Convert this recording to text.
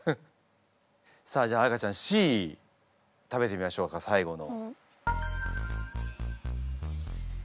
さあじゃあ彩歌ちゃんＣ食べてみましょうか最後の。